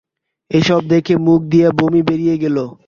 এসব দেখে মুখ দিয়ে বমি বেরিয়ে গেলো।